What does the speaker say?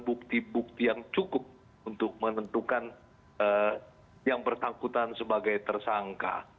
bukti bukti yang cukup untuk menentukan yang bersangkutan sebagai tersangka